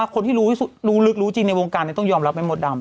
คนที่รู้ลึกรู้จริงในวงการต้องยอมรับไหมมดดำ